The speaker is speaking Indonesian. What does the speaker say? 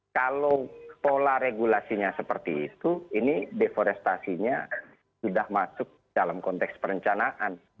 kalau pola regulasinya seperti itu ini deforestasinya sudah masuk dalam konteks perencanaan